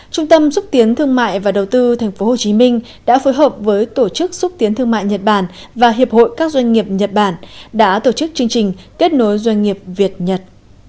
trung tâm xúc tiến thương mại và đầu tư tp hcm đã phối hợp với tổ chức xúc tiến thương mại nhật bản và hiệp hội các doanh nghiệp nhật bản đã tổ chức chương trình kết nối doanh nghiệp việt nhật